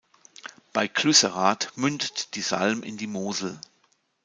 Bei Klüsserath mündet die Salm in die Mosel.